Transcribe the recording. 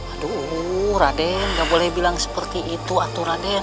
aduh raden gak boleh bilang seperti itu atu raden